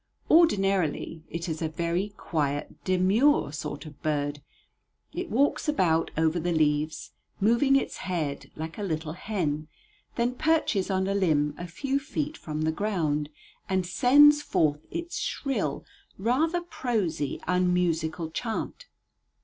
Ordinarily it is a very quiet, demure sort of bird. It walks about over the leaves, moving its head like a little hen; then perches on a limb a few feet from the ground and sends forth its shrill, rather prosy, unmusical chant.